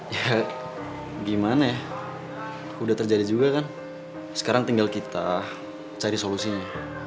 ya gimana ya udah terjadi juga kan sekarang tinggal kita cari solusinya